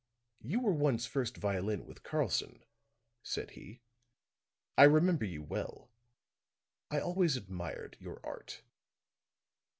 "You were once first violin with Karlson," said he. "I remember you well. I always admired your art."